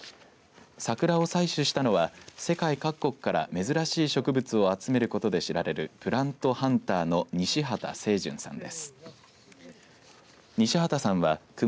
サクラを採取したのは世界各国から珍しい植物を集めることで知られるプラントハンターの西畠清順さんです。